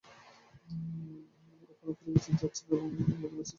এখনো খেলে যাচ্ছেন এমন খেলোয়াড়দের মধ্যে মেসির সবচেয়ে কাছাকাছি আছেন ক্রিস্টিয়ানো রোনালদো।